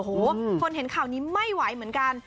โอ้โหคนเห็นข่าวนี้ไม่ไหวเหมือนกัน